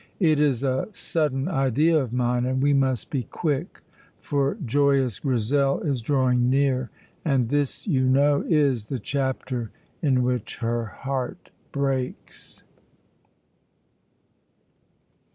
It is a sudden idea of mine, and we must be quick, for joyous Grizel is drawing near, and this, you know, is the chapter in which her heart breaks.